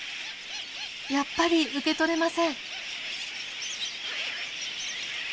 やっぱり受け取れません。